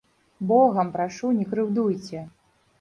Богам прашу, не крыўдуйце.